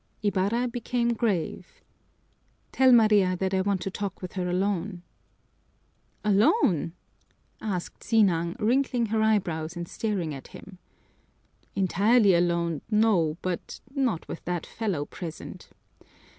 Ibarra became grave. "Tell Maria that I want to talk with her alone." "Alone?" asked Sinang, wrinkling her eyebrows and staring at him. "Entirely alone, no, but not with that fellow present."